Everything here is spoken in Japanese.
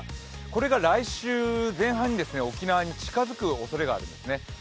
これが来週前半に沖縄に近づくおそれがあるんですね。